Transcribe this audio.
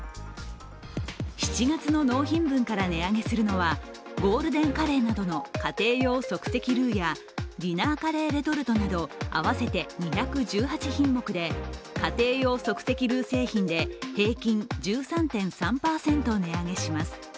７月の納品分から値上げするのはゴールデンカレーなどの家庭用即席ルーやディナーカレーレトルトなど合わせて２１８品目で家庭用即席ルー製品で平均１３．３％値上げします。